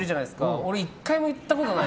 俺１回も言ったことない。